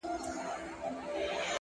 لوړ همت د ستړیا پروا نه کوي